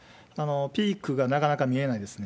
ピークがなかなか見えないですね。